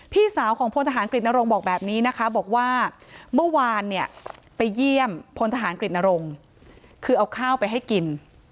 พี่สาวของพลทหารกฤตนรงค์บอกแบบนี้นะคะบอกว่าเมื่อวานเนี่ยไปเยี่ยมพลทหารกฤตนรงค์คือเอาข้าวไปให้กิน